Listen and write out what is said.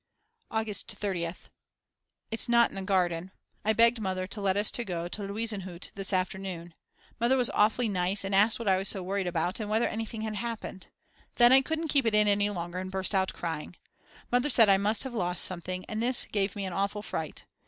August 30th. It's not in the garden. I begged Mother to let us go to Louisenhutte this afternoon. Mother was awfully nice and asked what I was so worried about, and whether anything had happened. Then I couldn't keep it in any longer and burst out crying. Mother said I must have lost something, and this gave me an awful fright.